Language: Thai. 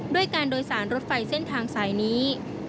ด้วยการโดยสารรถไฟเส้นทางสายนี้